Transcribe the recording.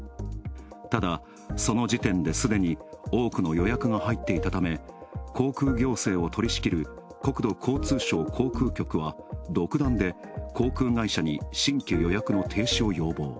ただ、その時点ですでに多くの予約が入っていたため、航空行政を取りしきる国土交通省航空局は独断で航空会社に新規予約の停止を要望。